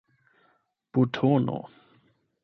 butono